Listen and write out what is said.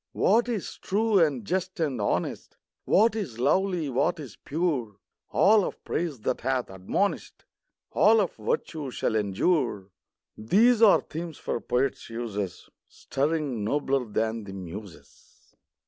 What is true and just and honest, What is lovely, what is pure, — All of praise that hath admonish'd, All of virtue, shall endure, — These are themes for poets' uses, Stirring nobler than the Muses.